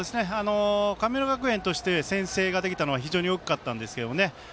神村学園として先制ができたのは非常に大きかったんですよね。